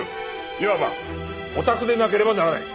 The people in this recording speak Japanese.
いわばオタクでなければならない。